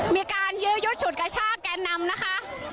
มีการยื้อยุดฉุดกระชากแกนนำนะคะ